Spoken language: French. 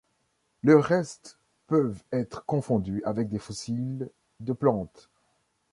Leurs restes peuvent être confondus avec des fossiles de plantes.